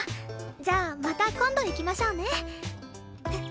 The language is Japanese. じゃあまた今度行きましょうね。